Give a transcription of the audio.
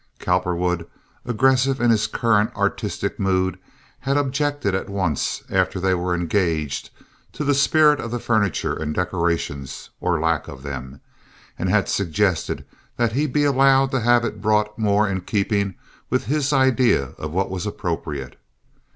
Cowperwood, aggressive in his current artistic mood, had objected at once after they were engaged to the spirit of the furniture and decorations, or lack of them, and had suggested that he be allowed to have it brought more in keeping with his idea of what was appropriate.